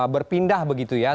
berpindah begitu ya